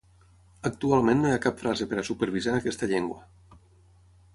Actualment no hi cap frase per a supervisar en aquesta llengua.